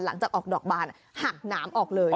หลังจากออกดอกบานหักหนามออกเลย